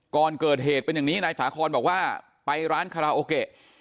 ก่อนเกิดเหตุเป็นอย่างนี้นายสาคอนบอกว่าไปร้านคาราโอเกะ